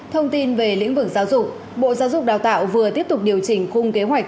thông tin về lĩnh vực giáo dục bộ giáo dục đào tạo vừa tiếp tục điều chỉnh khung kế hoạch